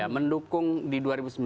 mendukung di dua ribu sembilan belas